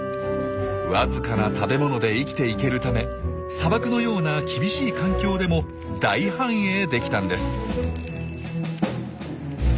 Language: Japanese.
わずかな食べ物で生きていけるため砂漠のような厳しい環境でも大繁栄できたんです。